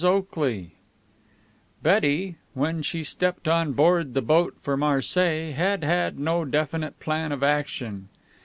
OAKLEY Betty, when she stepped on board the boat for Marseilles, had had no definite plan of action.